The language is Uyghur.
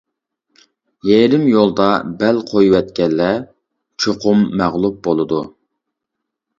يېرىم يولدا بەل قويۇۋەتكەنلەر چوقۇم مەغلۇپ بولىدۇ.